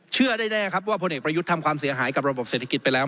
เชื่อแน่ครับว่าพลเอกประยุทธ์ทำความเสียหายกับระบบเศรษฐกิจไปแล้ว